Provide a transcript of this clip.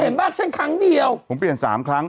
เห็นบ้างฉันครั้งเดียว